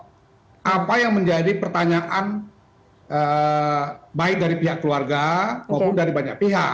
nah apa yang menjadi pertanyaan baik dari pihak keluarga maupun dari banyak pihak